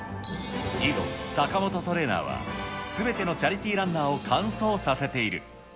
以後、坂本トレーナーは、すべてのチャリティーランナーを完走させている。